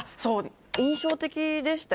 印象的でしたよ。